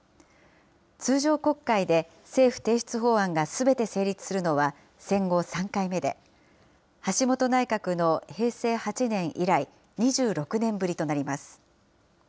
通常国会で政府提出法案がすべて成立するのは戦後３回目で、橋本内閣の平成８年以来、２６年ぶりとなります。